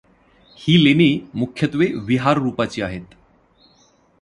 ही लेणी मुख्यत्वे विहार रूपाची आहेत.